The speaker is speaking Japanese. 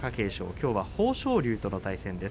きょうは豊昇龍との対戦です。